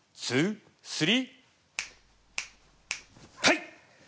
はい！